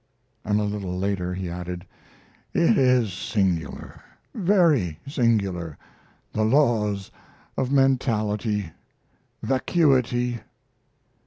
And a little later he added: "It is singular, very singular, the laws of mentality vacuity.